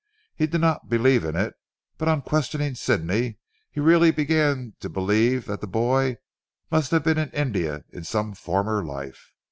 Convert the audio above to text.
He did not believe in it, but on questioning Sidney he really began to believe that the boy must have been in India in some former life.